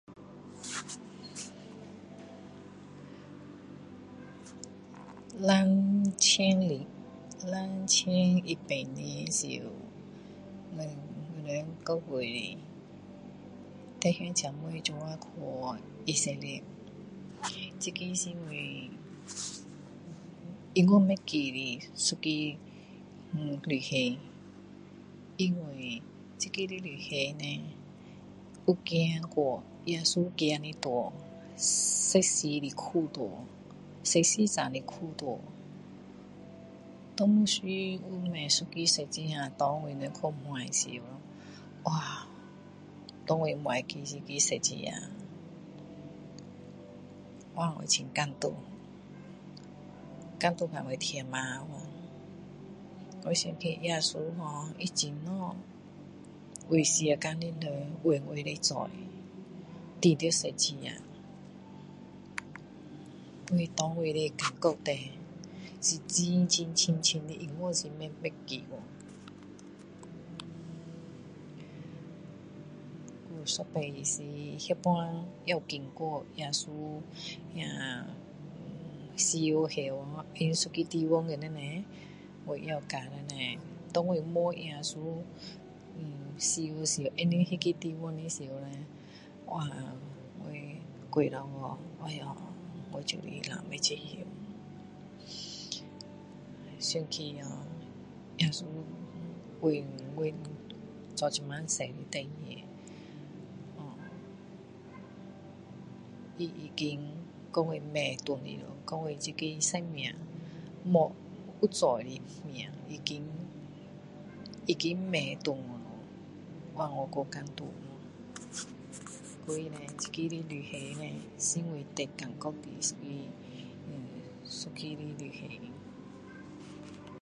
两千零两千一八年时我我们教会弟兄姊妹一起去以色列这个是我永远不会忘记的一个旅行因为这个旅行叻有走过耶稣走的路十四的苦路十四站的苦路当时有买一个十字架给我们背时哇给我背那个十字架哇我很感动感动到我哭泣了我想起耶稣哦你怎样为世界的人为我的罪钉在十字架我给我的感觉叻是很深很深的永远是不会忘记的还有一次是那时也有进过耶稣那死了后放一个地方在那边我也有到那边给我摸耶稣呃死了后放那个地方时叻哇我跪下去哎哟我就是流眼泪想起哦耶稣为我做这么多的事情哦他已经把我买回来了把我这个生命没有罪的命已经已经买回去了哇我太感动了所以这个旅行叻是我最感觉的一个呃一个的旅行